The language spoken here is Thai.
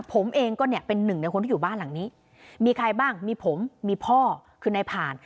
ผมเองก็เนี่ยเป็นหนึ่งในคนที่อยู่บ้านหลังนี้มีใครบ้างมีผมมีพ่อคือนายผ่าน